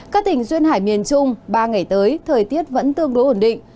các tỉnh duyên hải miền trung ba ngày tới thời tiết vẫn tương đối ổn định